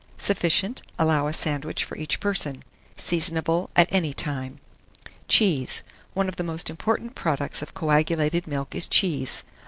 Sufficient. Allow a sandwich for each person. Seasonable at any time. CHEESE. One of the most important products of coagulated milk is cheese.